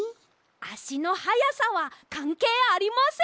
あしのはやさはかんけいありません！